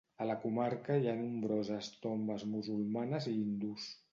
A la comarca hi ha nombroses tombes musulmanes i hindús.